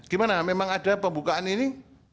gimana memang ada pembukaan ini